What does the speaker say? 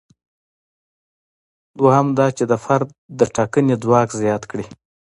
دویم دا چې د فرد د ټاکنې ځواک زیات کړي.